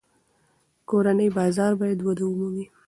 کورني بازار باید وده ومومي.